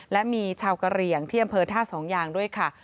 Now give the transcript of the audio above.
และมีชาวกะเหลี่ยงที่อำเภอท่าสองยางด้วยค่ะ